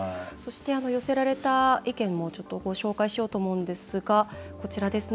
寄せられた意見もご紹介しようと思うんですがこちらです。